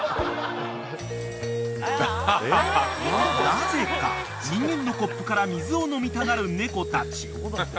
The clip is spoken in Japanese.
［なぜか人間のコップから水を飲みたがる猫たち］